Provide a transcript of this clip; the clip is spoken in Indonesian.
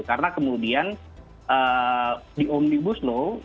karena kemudian di omnibus law